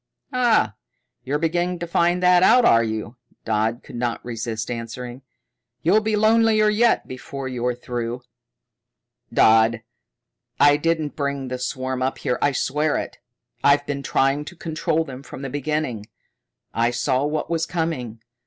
"Ah, you're beginning to find that out, are you?" Dodd could not resist answering. "You'll be lonelier yet before you're through." "Dodd, I didn't bring that swarm up here. I swear it. I've been trying to control them from the beginning. I saw what was coming.